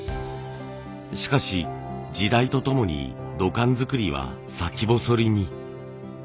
しかし時代とともに土管作りは先細りに。